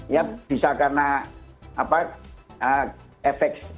ya bisa karena efek simpangnya banyak